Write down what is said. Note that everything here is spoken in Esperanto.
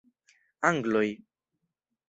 Angloj!